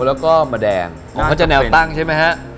แล้วก็มะแดงก็จะแนวตั้งใช่ไหมฮะ